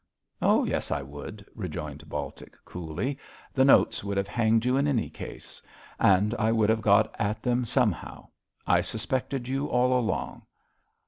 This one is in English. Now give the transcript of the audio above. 'Oh, yes, I would,' rejoined Baltic, coolly; 'the notes would have hanged you in any case, and I would have got at them somehow. I suspected you all along.'